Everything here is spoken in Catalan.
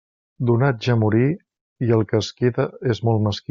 Donat ja morí, i el que es queda és molt mesquí.